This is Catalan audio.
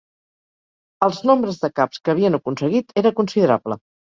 Els nombres de caps que havien aconseguit era considerable.